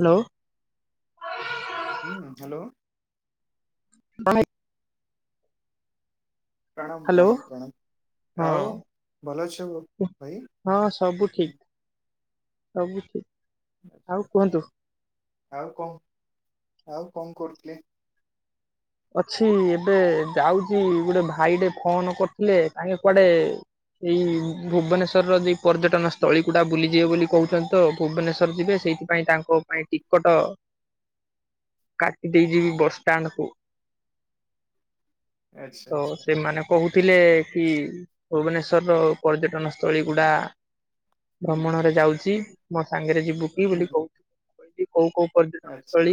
Hello. ହୁଁ hello. ଆମେ ପ୍ରଣାମ ହ୍ୟାଲୋ ପ୍ରଣାମ ପ୍ରଣାମ ହଁ ଆଉ ଭଲ ଅଛ ବ- ଭାଇ? ହଁ ହୁଁ, ସବୁ ହୁଁ, ଠିକ। ସବୁଛି [unintelligible] ଆଚ୍ଛା, ଆଉ କଣ ଆଉ କଣ କରୁଥିଲେ? ଅଛି, ଏବେ ଯାଉଛି ଗୋଟେ ଭାଇଟେ ଫୋନ କରିଥିଲେ ତାଙ୍କେ କୁଆଡେ ଏଇ ଭୁବନେଶ୍ୱରର ଯେ ପର୍ଯ୍ୟଟନ ସ୍ଥଳୀ ଗୁଡା ବୁଲିଯିବେ ବୋଲି କହୁଛନ୍ତି ତ ଭୁବନେଶ୍ଵର ଯିବେ ସେଇଠି ପାଇଁ ତାଙ୍କ ପାଇଁ ଟିକଟ [inaudible] କାଟି ଦେଇ ଯିବି ବସଷ୍ଟାଣ୍ଡକୁ ଆଚ୍ଛା ତ ଆଚ୍ଛା ସେମାନେ କହୁଥିଲେ କି ଭୁବନେଶ୍ଵରର ପର୍ଯ୍ୟଟନ ସ୍ଥଳୀ ଗୁଡା ଭ୍ରମଣରେ ଯାଉଛି ମୋ ସାଙ୍ଗରେ ଯିବୁ କି ହୁଁ ବୋଲି ହୁଁ, କହୁଛି। କୋଉ କୋଉ ପର୍ଯ୍ୟଟନ ଆଚ୍ଛା ସ୍ଥଳୀ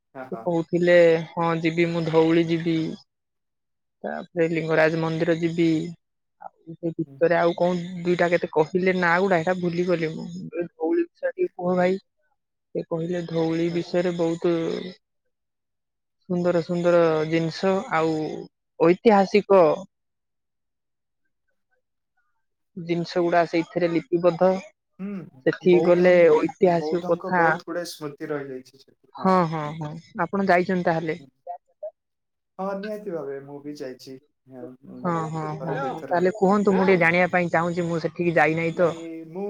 ଆଚ୍ଛା ହଁ କହୁଥିଲେ? ହଁ ଯିବି ମୁଁ ଧଉଳି ଯିବି। ତାପରେ ଲିଙ୍ଗରାଜ ମନ୍ଦିର ଯିବି। ଆଉ ସେ ହଁ ହୁଁ ହୁଁ ଭିତରେ ଆଉ କଣ ଦିଇଟା କେତେ କହିଲେ ନା ଗୁଡା ହେଇଟା ଭୁଲିଗଲି ମୁଁ। ବିଷୟରେ ଟିକେ କୁହ ଭାଇ, ସେ କହିଲେ ଧଉଳି ହଁ। ବିଷୟରେ ବହୁତ ସୁନ୍ଦର ସୁନ୍ଦର ଜିନିଷ ଆଉ ଐତିହାସିକ [inaudible] ଜିନିଷ ଗୁଡା ସେଇଥିରେ ଲିପିବଦ୍ଧ। ହୁଁ, ହୁଁ। ସେଠିକି ବୌଦ୍ଧ ଗଲେ ଐତିହାସିକ ବୌଦ୍ଧଙ୍କ କଥା ବହୁତ ଗୁଡାଏ ସ୍ମୃତି ରହିଯାଇଛି ସେଠି ହଁ ହଁ ହୁଁ, ହଁ। ଆପଣ ଯାଇଛନ୍ତି ତାହେଲେ। ହୁଁ। ହଁ ନିହାତି ଭାବେ ମୁଁ ବି ଯାଇଛି। ହଁ ହଁ ଥରେ ହଁ, ଦୁଇଥର ତାହେଲେ କୁହନ୍ତୁ ମୁଁ ଟିକେ ହଁ। ଜାଣିବା ପାଇଁ ଚାହୁଁଛି ମୁଁ ସେଠି ସେଠିକି ଯାଇନାହିଁ ତ! ନାଇଁ ମୁଁ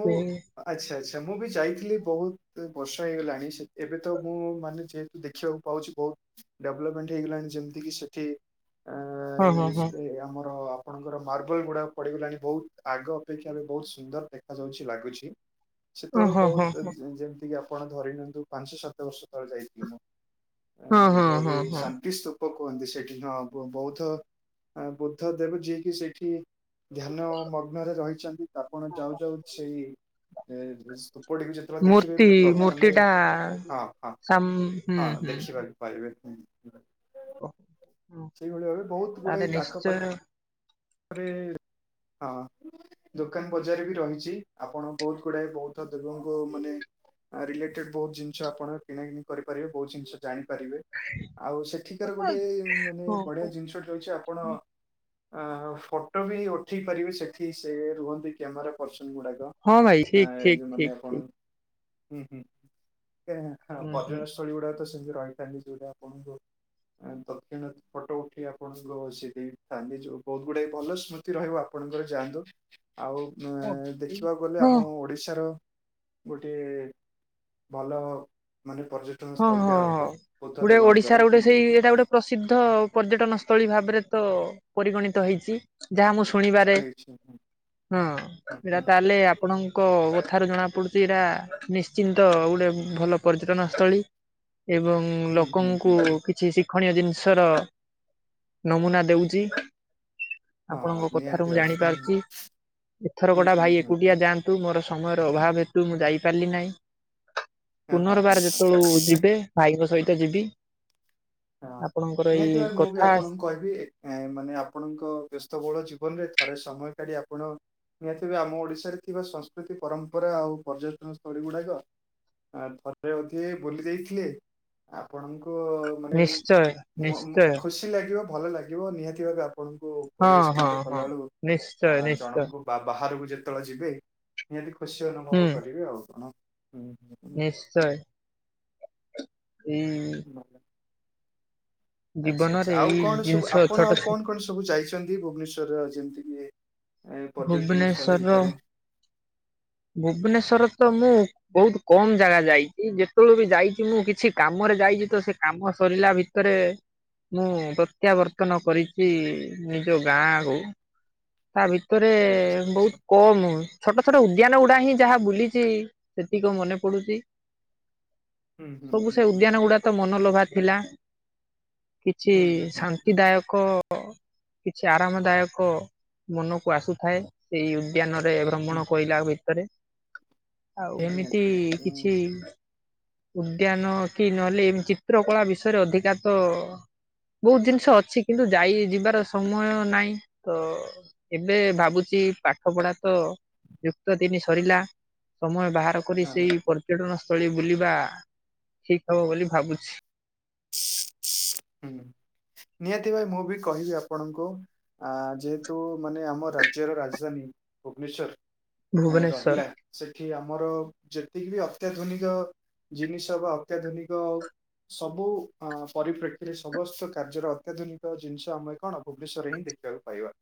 ଆଚ୍ଛା ଆଚ୍ଛା, ମୁଁ ବି ଯାଇଥିଲି ବହୁତ ବର୍ଷ ହେଇଗଲାଣି ଏବେ ତ ମୁଁ ମାନେ ଯେହେତୁ ଦେଖିବାକୁ ପାଉଛି ବହୁତ। ଡେଭଲପମେଣ୍ଟ ହେଇଗଲାଣି ଯେମିତିକି ସେଠି ହଁ ହଁ ହଁ। ଆମର ଆପଣଙ୍କର ମାର୍ବଲ ଗୁଡାକ ପଡିଗଲାଣି ବହୁତ ଆଗ ଅପେକ୍ଷା। ବହୁତ ସୁନ୍ଦର ଦେଖା ଯାଉଛି ଲାଗୁଛି ସେତେବେଳଳେ ଓହୋ ହୋ ବହୁତ ଯେମିତି କି ଆପଣ ଧରି ପାଞ୍ଚ ସାତ ବର୍ଷ ତଳେ ଯାଇଥିଲି ମୁଁ, ହଁ ହଁ ହଁ ଧଉଳି ହଁ ଶାନ୍ତି ସ୍ତୁପ। କୁହନ୍ତି ସେଠି ହଁ ବୌଦ୍ଧ ବୁଦ୍ଧ ଦେବ ଯିଏକି ସେଇଠି ଧ୍ୟାନ ମଗ୍ନରେ ରହିଛନ୍ତି। ଆପଣ ଯାଉ ଯାଉ ସେଇ ଯେତେବେଳେ ଦେଖିବେ ମୂର୍ତ୍ତି ମୂର୍ତ୍ତି ପ୍ରଥମେ ହଁ ଟା ହଁ ହଁ, ସାମ୍ ହୁଁ ହୁଁ ଦେଖିବା। ପାଇବେ। ହୁଁ ସେଇଭଳି ଭାବେ ବହୁତ ତାହେଲେ ଗୁଡାଏ ଆଖ ନିଶ୍ଚୟ ପାଖ ରେ ହଁ। ଦୋକାନ ବଜାର ବି ରହିଛି ଆପଣ ବହୁତ ଗୁଡାଏ ବୌଦ୍ଧ ଦେବଙ୍କୁ ମାନେ ରିଲେଟେଡ ବହୁତ ଜିନିଷ ଆପଣ କିଣା କିିଣି କରିପାରିବେ, ବହୁତ ଜିନିଷ ଜାଣିପାରିବେ। ଆଉ ସେଠିକାର ଗୋଟେ ମାନେ ବଢିଆ ଜିନିଷଟି ହଉଛି ଆପଣ ଆ ଫଟୋ ବି ଉଠେଇ ପାରିବେ ସେଠି ସେ ରୁହନ୍ତି କ୍ୟାମେରା ପର୍ସନ ଗୁଡାକ। ଆ ହଁ ଭାଇ ଠିକ ଏ ଠିକ ଯୋଉ ମାନେ ଠିକ ଆପଣ ଠିକ ହୁଁ। ହୁଁ ଗୁଡା ତ ସେମିତି ରହିଥାନ୍ତି ଯଉଟା ଆପଣଙ୍କୁ ତତକ୍ଷଣାତ୍ ଫଟୋ ଉଠେଇକି ଆପଣଙ୍କର ସେ ଦେଇଥାନ୍ତି। ଯୋଉ ଗୁଡେ ଭଲ ସ୍ମୃତି ରହିବ ଆପଣଙ୍କର ଯାଆନ୍ତୁ। ଆଉ ଏଁ ହୁଁ ଦେଖିବାକୁ ଗଲେ ହଁ ଆମ ଓଡିଶାର ଗୋଟିଏ ଭଲ ମାନେ ପର୍ଯଟନ ହଁ ସ୍ଥଳୀଟେ ହଁ। ରହିବ ବୁଦ୍ଧ ଗୋଟେ ଓଡିଶାର ଦେବଙ୍କର, ଗୋଟେ ହୁଁ ସେଇ ଏଇଟା ଗୋଟେ ହୁଁ। ପ୍ରସିଦ୍ଧ ପର୍ଯ୍ୟଟନ ସ୍ଥଳୀ ଭାବରେ ତ ପରିଗଣିତ ହେଇଛି। ଯାହା ମୁଁ ଶୁଣିବାରେ ହେଇଛି ହୁଁ। ହଁ ହୁଁ ହୁଁ ସେଟା, ତାହେଲେ ଆପଣଙ୍କ କଥାରୁ ଜଣାପଡ଼ୁଛି ଏଇଟା ନିଶ୍ଚିନ୍ତ ଗୋଟେ ଭଲ ପର୍ଯ୍ୟଟନସ୍ଥଳୀ। ଏବଂ ହୁଁ ହୁଁ ଲୋକଙ୍କୁ ହୁଁ କିଛି ଶି କ୍ଷଣୀୟ ଜିନିଷର ନମୁନା ଦଉଛି। ହଁ ଆପଣଙ୍କ କଥାରୁ ନିହାତି ମୁଁ ଭାବେ ହୁଁ ଜାଣିପାରୁଛି। ଏଥର ହୁଁ କ ଟା ହୁଁ ଭାଇ ହୁଁ ହୁଁ ଏକୁଟିଆ ଯାଆନ୍ତୁ ମୋର ସମୟର ଅଭାବ ହେତୁ ମୁଁ ଯାଇପାରିଲି ନାହିଁ। ହଁ ହଁ ହଁ ହଁ ପୁନର୍ବାର ନାଇଁ ଯେତେବେଳେ ଯିବେ ଭାଇଙ୍କ ସହିତ ଯିବି। ହଁ ଆପଣଙ୍କର ନିହାତି ଏଇ ଭାବରେ ମୁଁ ବି କଥା ଆପଣଙ୍କୁ କହିବି ଏ ମାନେ ଆପଣଙ୍କ ବ୍ୟସ୍ତବଳ ଜୀବନରେ ଥରେ ସମୟ କାଢି ଆପଣ ନିହାତି ଭାବେ ଆମ ଓଡିଶାରେ ଥିବା ସଂସ୍କୃତି ପରମ୍ପରା ଆଉ ପର୍ଯ୍ୟଟନ ସ୍ଥଳୀ ଗୁଡାକ ଥରେ ଅଧେ ବୁଲି ଯାଇଥିଲେ ଆପଣଙ୍କୁ ମାନେ ନିଶ୍ଚୟ ମ ମୁ ନିଶ୍ଚୟ ଖୁସି ଲାଗିବ ଭଲ ଲାଗିବ ନିହାତି ଭାବେ ଆପ ଆପଣଙ୍କୁ ହଁ ପରିବେଷ ତି ହଁ ହଁ କଲା ଆଳୁ ନିଶ୍ଚୟ ଆ ନିଶ୍ଚୟ ଜଣଙ୍କୁ ବା ବାହାରକୁ ଯେତେବେଳେ ଯିବେ ନିହାତି ଖୁସି ହୁଁ ଅନୁଭବ କରିବେ ଆଉ କଣ ହୁଁ ହୁଁ। ନିଶ୍ଚୟ। ଇଁ ଆଛା ଜୀବନରେ ଆଚ୍ଛା ଆଉ ଏଇ କଣ ସବୁ ଜିନିଷ ଆପଣ ଛୋଟ ଆଉ କଣ କଣ ସ ସବୁ ଯାଇଛନ୍ତି ଭୁବନେସ୍ୱର୍ ର ଯେମିତିକି ଏ ପର୍ଯ୍ୟଟନ ସ୍ଥଳୀ ଭୁବନେଶ୍ଵରର ଉପରେ? ଭୁବନେଶ୍ଵର ତ ମୁଁ ବହୁତ କମ ଜାଗା ଯାଇଛି ଯେତେବେଳଳେ ବି ଯାଇଛି ମୁଁ କିଛି କାମରେ ଯାଇଛି ତ ସେ କାମ ସରିଲା ଭି ରେ ମୁଁ ପ୍ରତ୍ୟାବର୍ତ୍ତନ କରିଛି ନିଜ ଗାଁ ଉ ତା ଭିତରେ ଆଚ୍ଛା ଆଚ୍ଛା ବହୁତ କମ ଛୋଟ ଛୋଟ ଉ ଉଦ୍ୟାନ ଗୁଡା ହିଁ ଯାହା ବୁଲିଛି ସେତିକ ମନେ ପଡୁଛି। ହୁଁ ହୁଁ ସବୁ ହୁଁ ସେ ହୁଁ ଉଦ୍ୟାନ ଗୁଡା ତ ମନଲୋଭା ଥିଲା କିଛି ହୁଁ ହୁଁ ଶା ହୁଁ ନ୍ତି ଦାୟକ କିଛି ଆରାମ ଦାୟକ ମନକୁ ଆସୁଥାଏ ସେଇ ଉଦ୍ୟାନରେ। ସଂଗଣ ହୁଁ। କହିଲା ଭିତରେ ଆଉ ଏମିତି ନିହାତି ନିହାତି ହୁଁ କିଛି ହୁଁ। ଉଦ୍ୟାନ କି ନହେଲେ ଏ ଚିତ୍ର କଳା ବିଷୟରେ ଅଧିକା ତ ବହୁତ ଜିନିଷ ଅଛି କିନ୍ତୁ ଯାଇ ଯିବାର ସମୟ ନାହିଁ ତ ଏବେ ଭାବୁଛି ପାଠ ପଢା ତ ଯୁକ୍ତ ତିନି ସରିଲା ସମୟ ବାହାର କରି ହଁ ସେଇ ପ ପର୍ଯ୍ୟଟନ ସ୍ଥଳୀ ବୁଲିବା ଠିକ ହବ ବୋଲି ଭାବୁଛି। ହୁଁ ନିହାତି ଭାଇ ମୁଁ ବି କହିବି ଆପଣଙ୍କୁ ଆ ଯେହେତୁ ମାନେ ଆମ ରାଜ୍ୟର ରାଜଧାନୀ ଭୁବନେଶ୍ଵର। ଆ ଭୁବନେଶ୍ଵର ରହିଲା। ସେଠି ଆମର ଯେତିକି ବି ଅତ୍ୟାଧୁନିକ ଜିନିଷ ବା ଅତ୍ୟାଧୁନିକ ସବୁ ଅ ପରିପ୍ରେକ୍ଷୀରେ ସମସ୍ତ କାର୍ଯ୍ୟର ଅତ୍ୟାଧୁନିକ ଜିନିଷ ଆମେ କଣ ଭୁବନେଶ୍ଵରରେ ହିଁ ଦେଖିବାକୁ ପାଇବା।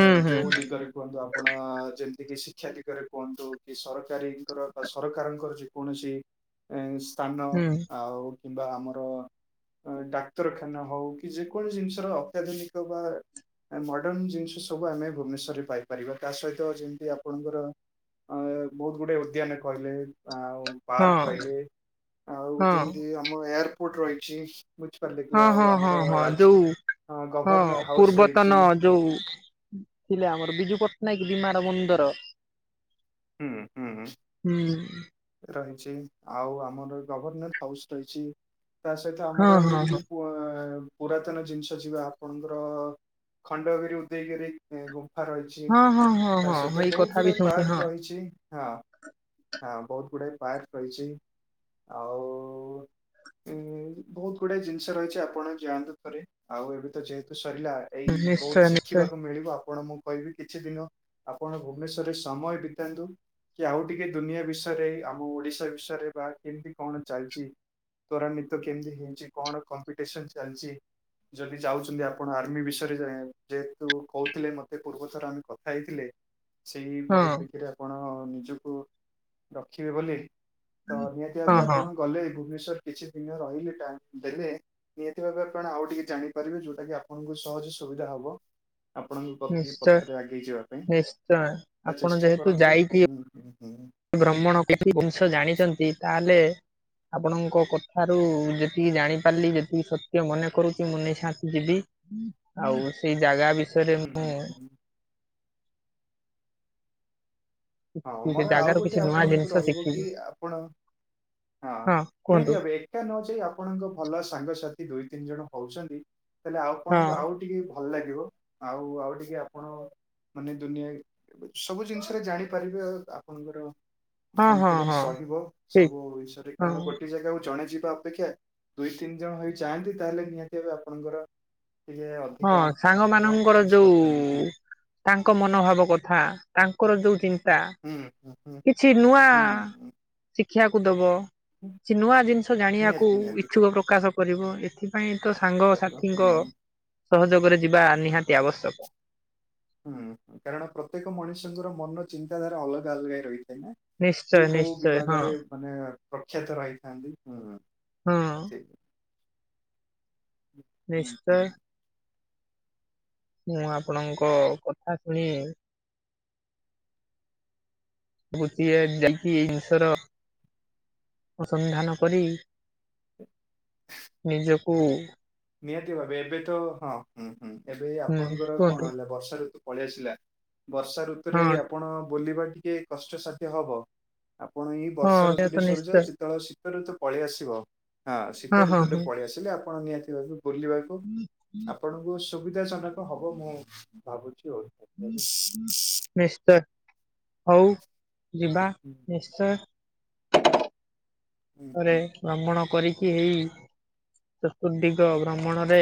ଏ ଯଉ ହୁଁ ଦିିଗରେ। କୁହନ୍ତୁ ଆପଣ ଯେମିତିକି ଶିକ୍ଷା ଦିଗରେ କୁହନ୍ତୁ କି ସରକାରୀଙ୍କର ବା ସରକାରଙ୍କର ଜୀ କୌଣସି ସ୍ଥାନ ହୁଁ ଆଉ କିମ୍ବା ଆମର ଡାକ୍ତରଖାନା ହଉ କି ଯେକୌଣସି ଜିନିଷର ଅତ୍ୟାଧୁନିକ ବା ମଡର୍ଣ ଜିନିଷ ସବୁ ଆମେ ଭୁବନେଶ୍ୱରରେ ପାଇପାରିବା ତା ସହିତ ଯେମିତି ଆପଣଙ୍କର ଅ ବହୁତ ଗୁଡେ ଉଦ୍ୟାନ କହିଲେ ଆଉ ହଁ ପାର୍କ କହିଲେ ଆଉ ହଁ ଯେମିତି ଆମ ଏୟାରପୋର୍ଟ ରହିଛି। ବୁଝିପାରିଲେ ହଁ କି ଆଉ ହଁ ହଁ ଆମର ହଁ ରାଜ ଯୋଉ ହଁ, ଗଭର୍ଣ୍ଣର ହାଉସ ରହିଛି ପୂର୍ବତନ ଯୋଉ ଥିଲେ ଆମର ବିଜୁ ପଟ୍ଟନାୟକ ବିମାର ମନ୍ଦର। ହୁଁ ହୁଁ। ରହିଛି, ଆଉ ଆମର ଗଭର୍ନେଣ୍ଟ ହାଉସ୍ ରହିଛି, ତା ସହିତ ହଁ ଆମର ହଁ ଯେମିତି ହଁ ପୁ, ପୁରାତନ ଜିନିଷ ଯିବା ଆପଣଙ୍କର ଖଣ୍ଡଗିରି ଉଦୟଗିରି ଗୁମ୍ଫା ରହିଚି, ହଁ ହଁ ହଁ ତା ହଁ ସହିତ ଏଇ ବହୁତ କଥା ବି ଗୁଡାଏ ଶୁଣିଛି ପାର୍କ ହଁ ଚି, ହଁ, ହଁ, ବହୁତ ଗୁଡାଏ ପାର୍କ ରହିଛି। ଆଉ ଉଁ, ବହୁତ ଗୁଡାଏ ଜିନିଷ ରହିଛି ଆପଣ ଯାଆନ୍ତୁ ଥରେ, ଆଉ ଏବେ ତ ଯେହେତୁ ସରିଲା ଏଇ ନିଶ୍ଚୟ ବହୁତ ନିଶ୍ଚୟ ଶିଖିବାକୁ ମିଳିବ ଆପଣ ମୁଁ କହିବି କିଛି ଦିନ, ଆପଣ ଭୁବନେଶ୍ଵରରେ ସମୟ ବି ବିତାନ୍ତୁ। କି ଆଉ ଟିକେ ଦୁନିଆ ବିଷୟରେ, ଆମ ଓଡିଶା ବିଷୟରେ, ବା କେମିତି କଣ ଚାଲିଚି ତ୍ୱରାନ୍ୱିତ କେମିତି ହେଇଚି, କଣ କମ୍ପିଟିସନ ଚାଲିଚି ଯଦି ଯାଉଚନ୍ତି ଆପଣ ଆର୍ମି ବିଷୟରେ, ଯେହେତୁ କହୁଥିଲେ ମତେ ପୂର୍ବ ଥର ଆମେ କହୁ ଖାଇଥିଲେ ସେଇ ହଁ ପରିପ୍ରେକ୍ଷୀରେ ଆପଣ, ନିଜକୁ ରଖିବେ ବୋଲି। ତ ନିହାତି ହଁ ଭାବେ ହଁ ଆପଣ ଗଲେ ଭୁବନେଶ୍ଵର କିଛି ଦିନ ରହିଲେ, ଟ୍ୟାଙ୍କ ଦେଲେ ନିହାତି ଭାବେ ଆପଣ ଆଉ ଟିକେ ଜାଣିପାରିବେ ଯୋଉଟା କିି ଆପଣଙ୍କୁ ସହଜ ସୁବିଧା ହବ ଆପଣଙ୍କ ପ୍ରତି ନିଶ୍ଚୟ ପଥରେ ଆଗେଇ ଯିବା ପାଇଁ, ନିଶ୍ଚୟ ତ ଆପଣ ଚେଷ୍ଟା କରନ୍ତୁ, ହୁଁ ହୁଁ ହୁଁ। ବ୍ରହ୍ମଣ କିଛି ଜିନିଷ ଜାଣିଚନ୍ତି, ତାହେଲେ ଆପଣଙ୍କ କଥାରୁ ଯେତିକି ଜାଣି ପାରିଲି, ଯେତିକି ସତ୍ୟ ମନେ କରୁଚି, ମୁଁ ନିଶାତି ଯିବି। ଆଉ, ସେଇ ଜାଗା ବିଷୟରେ ହୁଁ ମୁଁ ହୁଁ ହୁଁ ହଁ, ସେ ମୋର ଆଉ ଜାଗାରୁ କିଛି ଗୋଟେ ନୂଆ ଆପଣଙ୍କୁ ଜିନିଷ ରହିବ ଶିଖିବି କି ଆପଣ ହଁ, ନିହାତି ଭାବେ, ଏକା ନ ଯାଇ ଆପଣଙ୍କ ଭଲ ସାଙ୍ଗସାଥି ଦୁଇ ତିନି ଜଣ ହଉଚନ୍ତି ତାଲେ ହଁ ଆଉପଣଙ୍କୁ ଆଉ ଟିକେ ଭଲ ଲାଗିବ, ଆଉ ଆଉ ଟିକେ ଆପଣ ମାନେ ଦୁନିଆ, ସବୁ ଜିନିଷରେ ଜାଣିପାରିବେ ଆପଣଙ୍କର ହଁ ହଁ ହଁ କନଫିଡେନ୍ସ ରହିବ, ଠିକ ସବୁ ବିଷୟରେ, କାରଣ ହଁ ଗୋଟେ ଗୋଟେ ଜାଗାକୁ ଜଣେ ଯିବା ଅପେକ୍ଷା, ଦୁଇ ତିନି ଜଣ ହେଇ ଯାଆନ୍ତି, ତାହେଲେ ନିହାତି ଭାବେ ଆପଣଙ୍କର ଟିକେ ହଁ ଅଧିକ ସାଙ୍ଗ ରହିବ, ମାନଙ୍କର ମିସ୍ ଯୋଉ କରୁଚନ୍ତି ହୁଁ। ତାଙ୍କ ମନୋଭାବ କଥା, ତାଙ୍କର ଯୋଉ ଚିନ ନ୍ତା, ହୁଁ ହୁଁ ହୁଁ କିଛି ନୂଆ ହୁଁ ହୁଁ ଶିକ୍ଷାକୁ ଦବ। ହୁଁ। ସେ ନୂଆ ଜିନିଷ ଜାଣିବାକୁ ନିହାତି ନିହାତି ଇଛୁକ ପ୍ରକାଶ କରିବ। [unintelligible] ଏଥିପାଇଁ ତ, ସାଙ୍ଗ ରହିବ ହୁଁ ସାଥିଙ୍କ ସହଯୋଗରେ ଯିବା ନିହାତି ଆବଶ୍ୟକ। ହୁଁ ହୁଁ, କାରଣ ପ୍ରତ୍ୟେକ ମଣିଷଙ୍କର ମନ ଚିନ୍ତାଧାରା ଅଲଗା ଅଲଗା ହେଇ ରହିଥାଏ ନା? କିଏ ନିଶ୍ଚୟ କୋଉ ନିଶ୍ଚୟ ହଁ ବିଭାଗରେ ମାନେ ପ୍ରଖ୍ୟାତ ରହିଥାନ୍ତି? ହୁଁ। ହଁ। ହ ହୁଁ ନିଶ୍ଚୟ ହୁଁ। ମୁଁ ଆପଣଙ୍କ କଥା ଶୁଣି [unintelligible] ଏଇ ଜିନିଷର ଅନୁସନ୍ଧାନ କରି, ନିଜକୁ ନିହାତି ଭାବେ, ଏବେ ତ, ହଁ ହଁ ହୁଁ, ଏବେ ହୁଁ ଆପଣଙ୍କର କଣ କୁହନ୍ତୁ ହେଲା ବର୍ଷା ଋତୁ ପଳେଇ ଆସିଲା, ବର୍ଷା ଋତୁରେ ହଁ ଆପଣ ବୁଲିବା ଟିକେ କଷ୍ଟସାଧ୍ୟ ହବ? ଆପଣ ଏଇ ହଁ ବର୍ଷା ସେ ଋତୁ ଟି ତ ନିଶ୍ଚୟ ସରିଯାଉଚି, ତ ଶୀତ ଋତୁ ପଳେଇ ଆସିବ ହଁ, ଶୀତ ହଁ ଋତୁ ଟି ହଁ ପଳେଇଆସିଲେ, ଆପଣ ନିହାତି ଭାବେ ବୁଲିବାକୁ, ଆପଣ ସ ସୁବିଧା ଜନକ ହବ ମୁଁ ଭାବୁଛି ଆଉ। ନିଶ୍ଚୟ ହଉ ଯିବା ନିଶ୍ଚୟ। ହୁଁ ପରେ ଭ୍ରମଣ କରିକି ହେଇ ଚତୁର୍ଦିଗ ଭ୍ରମଣରେ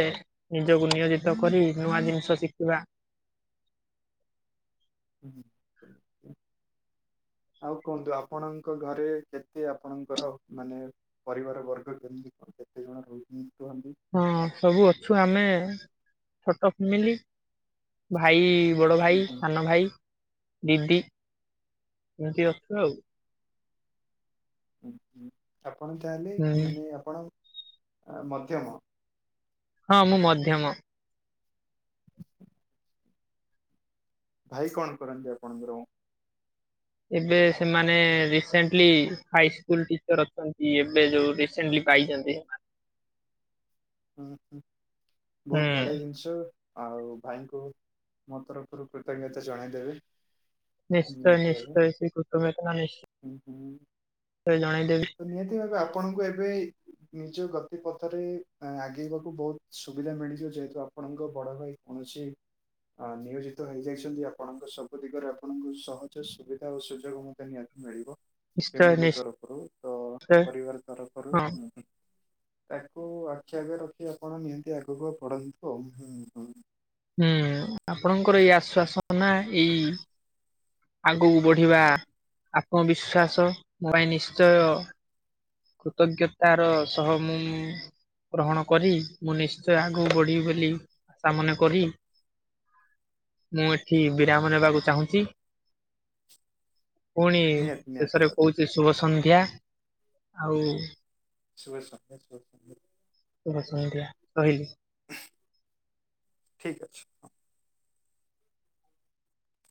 ନିଜକୁ ନିୟୋଜିତ କରି ନୂଆ ଜିନିଷ ଶିଖିବା। ହୁଁ [unintelligible] ଆଉ କୁହନ୍ତୁ ଆପଣଙ୍କ ଘରେ କେତେ ଆପଣଙ୍କର ମାନେ ପରିବାର ବର୍ଗ କେମିତି କଣ କେତେ ଜଣ ରହୁଚନ୍ତି? ହଁ ସବୁ ଅଛୁ ଆମେ ଛୋଟ ଫ୍ୟାମିଲି। ଭାଇ ବଡ ହୁଁ ଭାଇ ହୁଁ ସାନ ଭାଇ। ଦିଦି ଏମିତି ଅଛୁ ଆଉ। ହୁ ହୁଁ ଆପଣ ତାହେଲେ ହୁଁ। ମାନେ ଆପଣ ମଧ୍ୟମ। ହଁ ମୁଁ ମଧ୍ୟମ। ଭାଇ କଣ କରନ୍ତି ଆପଣଙ୍କର? ଏବେ ସେମାନେ ରିସେଣ୍ଟଲି ହାଇ ସ୍କୁଲ ଟିଚର ଅଛନ୍ତି ଏବେ ଯୋଉ ରସେଣ୍ଟଲି। ପାଇଛନ୍ତି। ହୁଁ ହୁଁ, ହୁଁ ବହୁତ ବଢିଆ ଜିନିଷ। ଆଉ ଭାଇଙ୍କୁ ମୋ ତରଫରୁ କୃତଜ୍ଞତା ଜଣେଇଦେବେ। ନିଶ୍ଚୟ ନିଶ୍ଚୟ ସେ କୃତଜ୍ଞତା ଟା ହୁଁ ହୁଁ। ନିଶ୍ଚୟ ଜଣେଇଦେବି। ତ ନିହାତି ଭାବେ ଆ ଆପଣଙ୍କୁ ଏବେ ନିଜ ଗତି ପଥରେ ଆଗେଇବାକୁ ବହୁତ ସୁବିଧା ମିଳିଯିବ ଯେହେତୁ ଆପଣଙ୍କ ବଡ ଭାଇ କୌଣସି ଅ ନିୟୋଜିତ ହେଇଯାଇଛନ୍ତି ଆପଣଙ୍କ ସବୁ ଦିଗରେ ଆପଣଙ୍କୁ ସହଜ ସୁବିଧା ଓ ସୁଯୋଗ ମଧ୍ୟ ନିଆ ମିଳିବ। ନିଶ୍ଚୟ ଫ୍ୟାମିଲି ନିଶ୍ଚୟ ତରଫରୁ ତ ପରିବାର ତରଫରୁ ହଁ ମୁ ତାକୁ ଆଖିଆଗରେ ରଖି ଆପଣ ନିହାତି ଆଗକୁ ପଢନ୍ତୁ ଆଉ ହୁଁ ହୁଁ। ହୁଁ ଆପଣଙ୍କର ଏଇ ଆଶ୍ଵାସନା ଏଇ ଆଗକୁ ବଢିବା ଆତ୍ମବିଶ୍ୱାସ ମୋ ପାଇଁ ନିଶ୍ଚୟ କୃତଜ୍ଞତାର ସହ ମୁଁ ଗ୍ରହଣ କରି ମୁଁ ନିଶ୍ଚୟ ଆଗକୁ ବଢ଼ିବି ବୋଲି ଆଶା ମନେ କରି [inaudible] ମୁଁ ଏଠି ବିରାମ ନେବାକୁ ଚାହୁଁଛି। ପୁଣି ନିହାତି ନିହାତି ଶେଷରେ ଭାବେ କହୁଛି ଶୁଭ ସନ୍ଧ୍ୟା, ଆଉ ଶୁଭ ସନ୍ଧ୍ୟା, ଶୁଭ ସନ୍ଧ୍ୟା। ଶୁଭ ସନ୍ଧ୍ୟା ରହିଲି। ଠିକ୍ ଅଛି।